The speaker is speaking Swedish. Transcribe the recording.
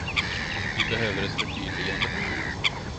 Vi behöver ett förtydligande.